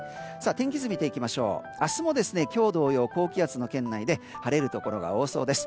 天気図を見ていきましょう明日も今日同様、高気圧の圏内で晴れるところが多そうです。